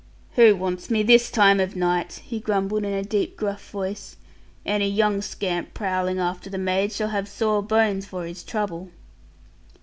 'Who wants me this time of night?' he grumbled, in a deep gruff voice; 'any young scamp prowling after the maids shall have sore bones for his trouble.'